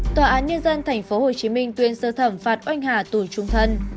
tòa án nhân dân tp hcm tuyên sơ thẩm phạt oanh hà tù trung thân